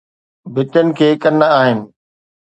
ڀتين کي ڪن آهن